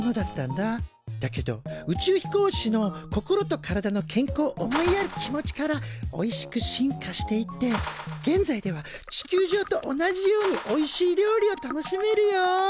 だけど宇宙飛行士の心と体の健康を思いやる気持ちからおいしく進化していって現在では地球上と同じようにおいしい料理を楽しめるよ。